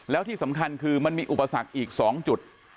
แล้วที่สำคัญคือมันมีอุปสรรคอีก๒จุด